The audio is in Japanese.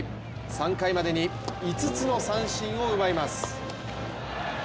３回までに５つの三振を奪います。